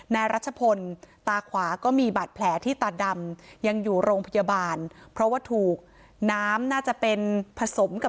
นายรัจพนตาขวาก็มีบัตรแจะ